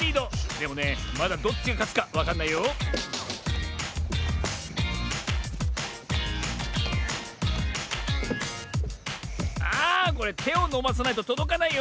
でもねまだどっちがかつかわかんないよああこれてをのばさないととどかないよ。